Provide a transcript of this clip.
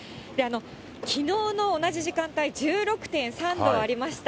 きのうの同じ時間帯、１６．３度ありました。